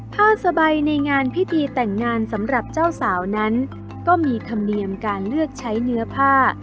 ผ้าสบายในงานพิธีแต่งงานสำหรับเจ้าสาวนั้นก็มีธรรมเนียมการเลือกใช้เนื้อผ้า